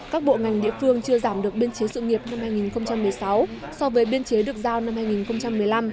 các bộ ngành địa phương chưa giảm được biên chế sự nghiệp năm hai nghìn một mươi sáu so với biên chế được giao năm hai nghìn một mươi năm